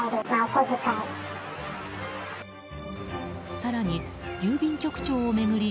更に郵便局長を巡り